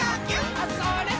あ、それっ！